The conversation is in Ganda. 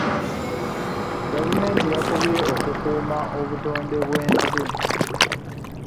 Gavumenti efubye okukuuma obutonde bw'ensi.